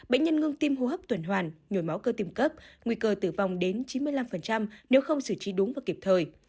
bệnh nhân ngưng tim hô hấp tuần hoàn nhồi máu cơ tim cấp nguy cơ tử vong đến chín mươi năm nếu không xử trí đúng và kịp thời